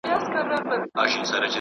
دا درسونه له هغه مهم دي.